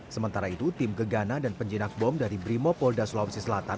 sementara itu tim gegana dan penjinak bom dari brimo polda sulawesi selatan